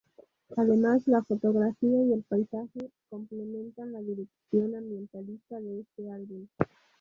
Además, la fotografía y el paisaje complementan la dirección ambientalista de este álbum.